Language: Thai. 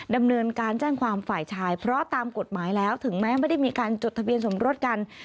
ดำเนินการแจ้งความฝ่ายชายเพราะตามกฎหมายแล้วถึงแม้ไม่ได้มีการจดทะเบียนสมรสกัน